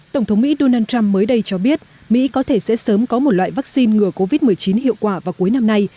tổng thống mỹ donald trump mới đây cho biết mỹ có thể sẽ sớm có một loại vaccine ngừa covid một mươi chín hiệu quả vào cuối năm nay